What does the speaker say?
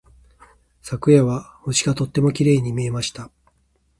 昨夜は星がとてもきれいに見えました。